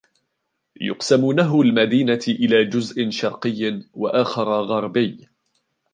يقسم نهرٌ المدينةَ إلى جزء شرقي و آخر غربي.